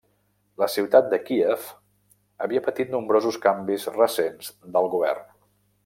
La ciutat de Kíev havia patit nombrosos canvis recents del govern.